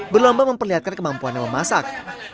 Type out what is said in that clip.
berlomba memperlihatkan kemampuan memasak